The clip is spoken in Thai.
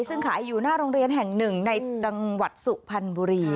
ซึ่งขายอยู่หน้าโรงเรียนแห่งหนึ่งในจังหวัดสุพรรณบุรี